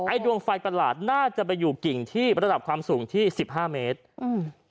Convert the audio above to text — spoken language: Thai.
ดวงไฟประหลาดน่าจะไปอยู่กิ่งที่ระดับความสูงที่สิบห้าเมตรอืม